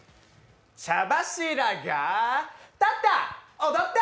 茶柱が、立った、踊った！